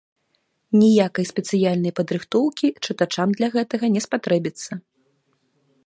Ніякай спецыяльнай падрыхтоўкі чытачам для гэтага не спатрэбіцца.